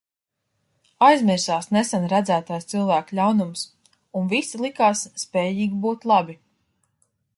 Aizmirsās nesen redzētais cilvēku ļaunums, un visi likās spējīgi būt labi.